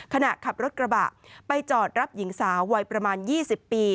ขณะขับรถกระบะไปจอดรับหญิงสาววัยประมาณ๒๐ปี